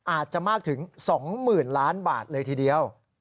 อาจจะมากถึง๒๐๐๐ล้านบาทเลยทีเดียว